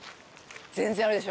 全然あるでしょ！